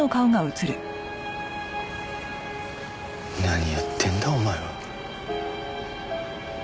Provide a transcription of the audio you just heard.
何やってんだお前は。